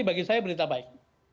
bagi saya berita baik